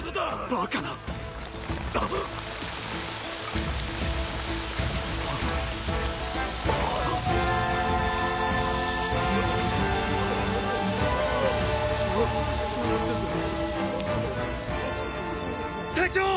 バカな隊長！